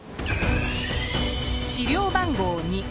資料番号２。